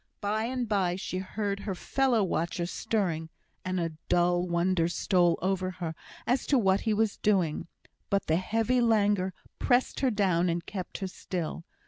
By and by she heard her fellow watcher stirring, and a dull wonder stole over her as to what he was doing; but the heavy languor pressed her down, and kept her still.